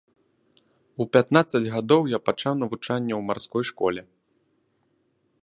У пятнаццаць гадоў я пачаў навучанне ў марской школе.